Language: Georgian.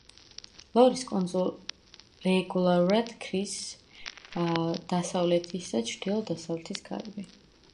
ლორის კუნძულ რეგულარულად ქრის დასავლეთის და ჩრდილო-დასავლეთის ქარები.